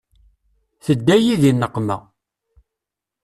Tedda-yi di nneqma.